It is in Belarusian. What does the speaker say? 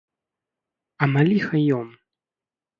А на ліха ён!